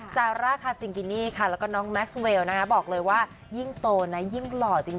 ซาร่าคาซิงกินี่ค่ะแล้วก็น้องแม็กซ์เวลนะคะบอกเลยว่ายิ่งโตนะยิ่งหล่อจริง